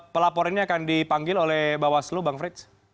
pelapor ini akan dipanggil oleh bawaslo bang frits